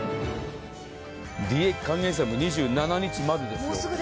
利益還元祭も２７日までです。